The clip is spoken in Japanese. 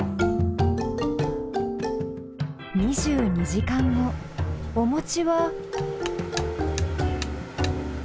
２２時間後おもちは。